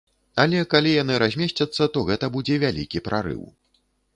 Але калі яны размесцяцца, то гэта будзе вялікі прарыў.